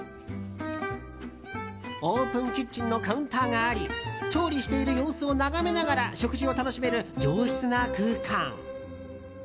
オープンキッチンのカウンターがあり調理している様子を眺めながら食事を楽しめる、上質な空間。